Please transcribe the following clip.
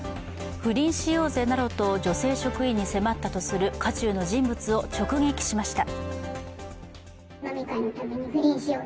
「不倫しようぜ」などと女性職員に迫ったとする渦中の人物を直撃しました。